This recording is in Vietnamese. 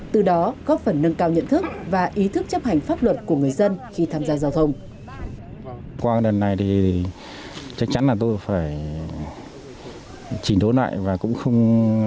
từ đó góp phần nâng cao nhận thức và ý thức chấp hành pháp luật của người dân khi tham gia giao thông